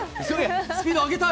スピード上げたい。